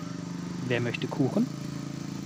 Wer möchte Kuchen?